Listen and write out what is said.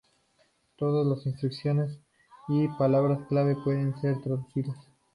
Todas las instrucciones y palabras clave pueden ser traducidas.